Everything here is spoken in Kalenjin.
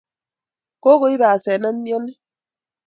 kokoip asenet mioni